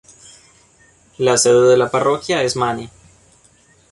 La sede de la parroquia es Many.